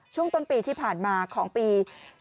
ช่วงต้นปีที่ผ่านมาของปี๒๕๖